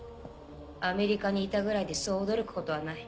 アメリカにいたぐらいでそう驚くことはない。